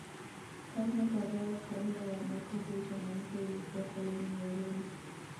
Karne kadhaa kabla ya mwaka huu Tanganyika ilikuwa koloni ya Ureno